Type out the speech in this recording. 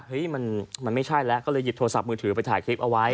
มันไม่ใช่แล้วก็เลยหยิบโทรศัพท์มือถือไปถ่ายคลิปเอาไว้